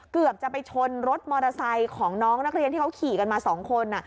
เกือบจะไปชนรถมอเตอร์ไซค์ของน้องนักเรียนที่เขาขี่กันมา๒คน